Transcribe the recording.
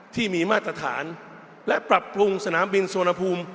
ที่มีมาตรฐานและปรับปรุงสนามบินสุวรรณภูมิ